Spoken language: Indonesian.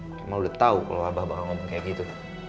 kemal udah tau kalau abah abah ngomong kayak gitu